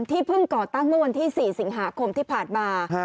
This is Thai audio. เพิ่งก่อตั้งเมื่อวันที่๔สิงหาคมที่ผ่านมา